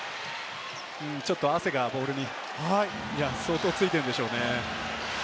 ちょっと汗がボールに相当ついているんでしょうね。